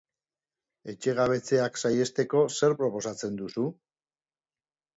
Etxegabetzeak saihesteko zer proposatzen duzu?